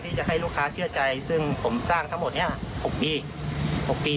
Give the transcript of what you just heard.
ที่จะให้ลูกค้าเชื่อใจซึ่งผมสร้างทั้งหมดนี้๖ปี๖ปี